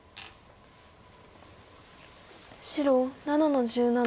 白７の十七。